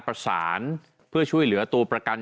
ประสานเพื่อช่วยเหลือตัวประกัน